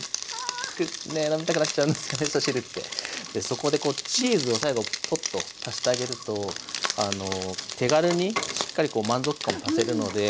そこでこうチーズを最後ポッと足してあげると手軽にしっかりこう満足感も出せるので。